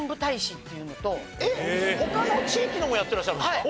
えっ？他の地域のもやってらっしゃるんですか？